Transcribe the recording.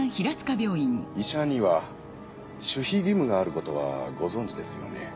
医者には守秘義務があることはご存じですよね？